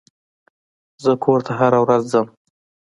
زه کور ته هره ورځ ځم.